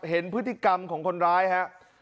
เห็นพฤติกรรมของคนร้ายครับ